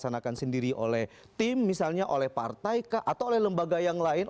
yang dilaksanakan sendiri oleh tim misalnya oleh partai atau oleh lembaga yang lain